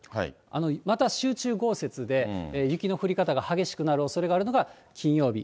また集中豪雪で雪の降り方が激しくなるおそれがあるのが、金曜日。